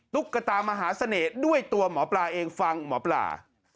ตุ๊กตามหาเสน่ห์ด้วยตัวหมอปลาเองฟังหมอปลา